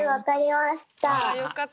あよかった。